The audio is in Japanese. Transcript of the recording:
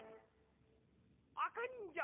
あかにんじゃ！